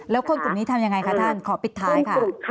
แล้วคนกลุ่มนี้ทำยังไงคะท่านขอปิดท้ายค่ะ